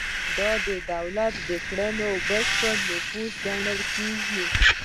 دا د دولت د کړنو بشپړ نفوذ ګڼل کیږي.